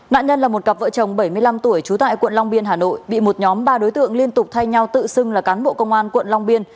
nạn nhân là một cặp vợ chồng bảy mươi năm tuổi trú tại quận long biên hà nội bị một nhóm ba đối tượng liên tục thay nhau tự xưng là cán bộ công an quận long biên